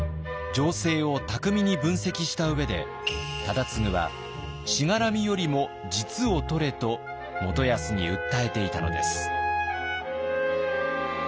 情勢を巧みに分析した上で忠次は「しがらみよりも実をとれ」と元康に訴えていたのです。